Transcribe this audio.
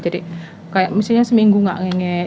jadi kayak misalnya seminggu nggak nge ngek